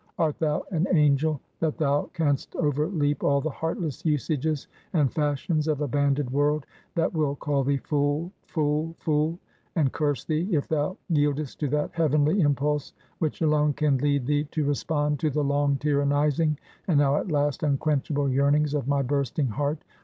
art thou an angel, that thou canst overleap all the heartless usages and fashions of a banded world, that will call thee fool, fool, fool! and curse thee, if thou yieldest to that heavenly impulse which alone can lead thee to respond to the long tyrannizing, and now at last unquenchable yearnings of my bursting heart?